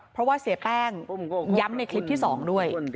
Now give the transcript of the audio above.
เพราะว่าเสียแป้งย้ำในคลิปที่๒ด้วย